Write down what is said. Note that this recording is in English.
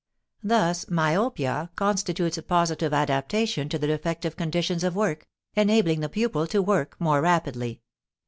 Thus myopia constitutes a positive adaptation to the defective conditions of work, enabling the pupil to work more rapidly."